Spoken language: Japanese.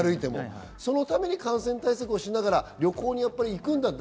そのために感染対策をしながら旅行に行くんだ。